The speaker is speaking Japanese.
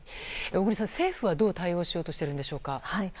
小栗さん、政府はどう対応しているんでしょうか。